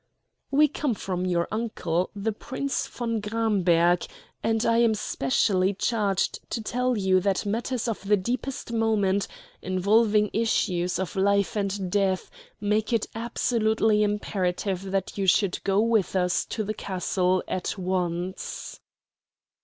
"We come from your uncle, the Prince von Gramberg, and I am specially charged to tell you that matters of the deepest moment, involving issues of life and death, make it absolutely imperative that you should go with us to the castle at once."